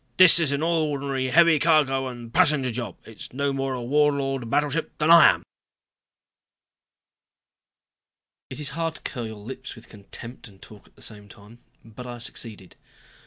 "This is an ordinary heavy cargo and passenger job. It's no more a Warlord battleship than I am." It is hard to curl your lips with contempt and talk at the same time, but I succeeded.